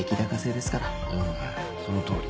うんそのとおり。